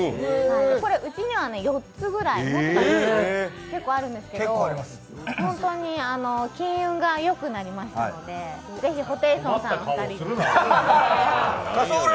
うちには４つぐらい、結構あるんですけど本当に金運がよくなりましたのでぜひホテイソンさん、お二人に。